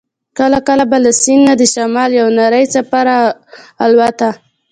کله کله به له سیند نه د شمال یوه نرۍ څپه را الوته.